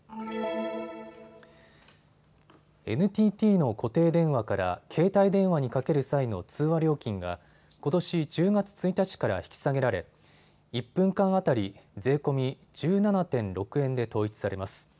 ＮＴＴの固定電話から携帯電話にかける際の通話料金がことし１０月１日から引き下げられ、１分間当たり、税込み１７．６円で統一されます。